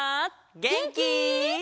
げんき？